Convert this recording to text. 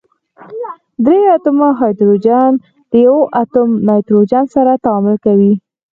درې اتومه هایدروجن د یوه اتوم نایتروجن سره تعامل کوي.